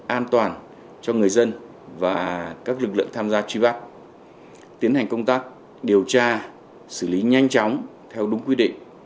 an toàn cho người dân và các lực lượng tham gia truy bắt tiến hành công tác điều tra xử lý nhanh chóng theo đúng quy định